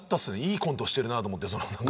いいコントしているなって。